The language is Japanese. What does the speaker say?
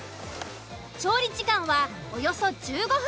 調理時間はおよそ１５分。